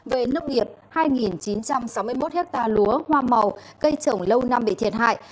về nông nghiệp hai chín trăm sáu mươi một hectare lúa hoa màu cây trồng lâu năm bị thiệt hại